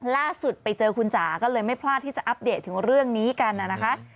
ล่าสุดไปเจอคุณจ๋าก็เลยไม่พลาดที่จะอัปเดตถึงเรื่องนี้กันนะคะ